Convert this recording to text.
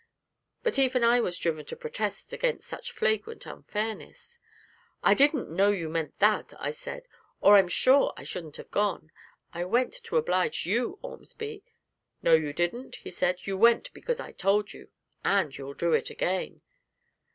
But even I was driven to protest against such flagrant unfairness. 'I didn't know you meant that,' I said, 'or I'm sure I shouldn't have gone. I went to oblige you, Ormsby.' 'No, you didn't,' he said, 'you went because I told you. And you'll go again.'